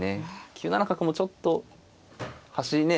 ９七角もちょっと端ね